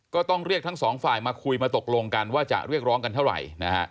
ก็ต้องเรียกทั้งสองฝ่ายมาคุยมาตกลงกันว่าจะเรียกร้องกันเท่าไหร่นะฮะ